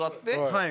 はい。